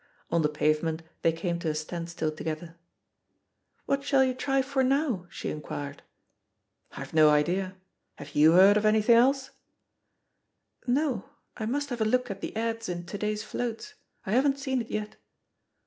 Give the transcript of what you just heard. On the pave ment they came to a standstill together. "What shaU you try for now?" she inquired. 82 THE POSITION OF PEGGY HARPER "IVe no idea. Have you heard of anything else?" ''No, I must have a look at the ads in to day's floats. I haven't seen it yet."